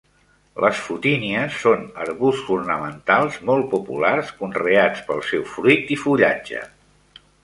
Les fotínies són arbusts ornamentals molt populars, conreats pel seu fruit i fullatge.